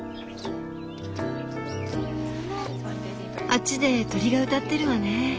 あっちで鳥が歌ってるわね。